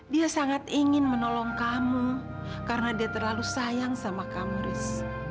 dia sangat ingin menolong kamu karena dia terlalu sayang sama kamu riz